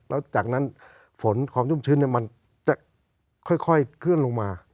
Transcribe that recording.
แล้วจากนั้นฝนความชุ่มชื้นมันจะค่อยเคลื่อนลงมา